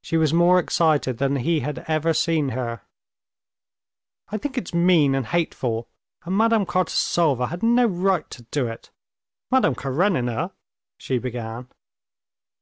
She was more excited than he had ever seen her. "I think it's mean and hateful, and Madame Kartasova had no right to do it. Madame Karenina...." she began.